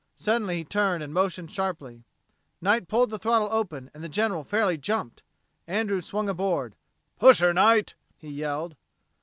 Suddenly he turned and motioned sharply. Knight pulled the throttle open and the General fairly jumped. Andrews swung aboard. "Push her, Knight!" he yelled.